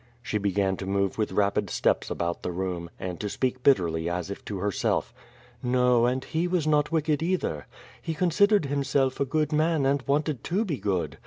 She began to move with rapid steps about the room, and to speak bitterly as if to herself: "No, and he was not wicked, either. He considered him self a good man, and wanted to be good.